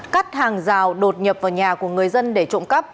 cắt hàng rào đột nhập vào nhà của người dân để trộm cắp